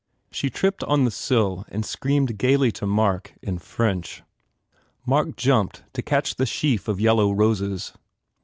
She tripped on the sill and screamed gaily to Mark, "Au s cours!" Mark jumped to catch the sheaf of yellow roses.